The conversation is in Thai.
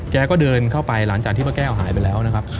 แกก็เดินเข้าไปหลังจากที่ป้าแก้วหายไปแล้วนะครับ